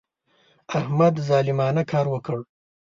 احمد ظالمانه کار وکړ.